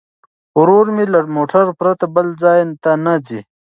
ورور مې له موټر پرته بل ځای ته نه ځي.